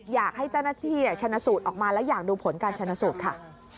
อยากให้เจ้าหน้าที่ชนะสูตรออกมาและอยากดูผลการชนะสูตรค่ะ